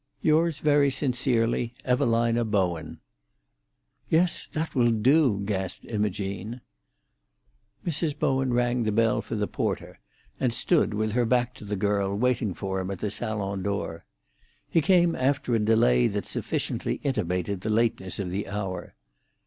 "Yours very sincerely, "Evalina Bowen." "Yes, that will do," gasped Imogene. Mrs. Bowen rang the bell for the porter, and stood with her back to the girl, waiting for him at the salon door. He came after a delay that sufficiently intimated the lateness of the hour.